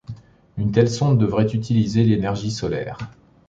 Une telle sonde devrait utiliser l'énergie solaire.